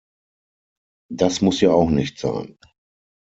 Das muss ja auch nicht sein!